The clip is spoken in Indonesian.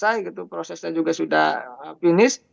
selesai gitu prosesnya juga sudah finish